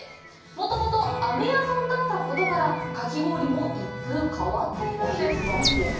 もともと飴屋さんだったことから、かき氷も一風変わっているんです。